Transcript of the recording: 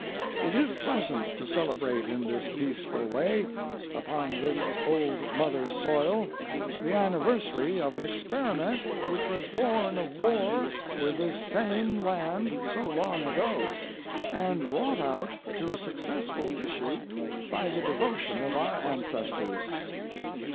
It is pleasant to celebrate in this peaceful way, upon this old mother soil, the anniversary of an experiment which was born of war with this same land so long ago, and wrought out to a successful issue by the devotion of our ancestors.